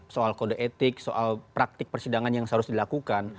soal kode etik soal praktik persidangan yang seharusnya dilakukan